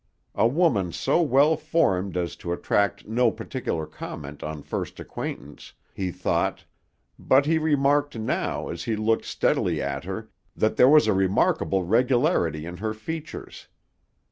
A woman so well formed as to attract no particular comment on first acquaintance, he thought; but he remarked now, as he looked steadily at her, that there was a remarkable regularity in her features.